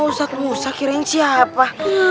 ustadz musa kirain siapa